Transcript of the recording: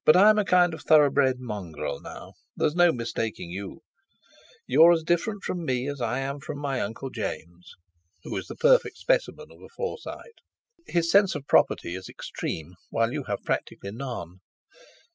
But I'm a kind of thoroughbred mongrel; now, there's no mistaking you: You're as different from me as I am from my Uncle James, who is the perfect specimen of a Forsyte. His sense of property is extreme, while you have practically none.